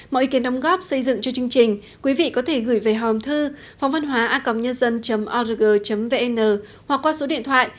mọi ý kiến đóng góp xây dựng cho chương trình quý vị có thể gửi về hòm thư phongvănhoaacomnhân dân org vn hoặc qua số điện thoại hai trăm bốn mươi ba hai trăm sáu mươi sáu chín nghìn năm trăm linh tám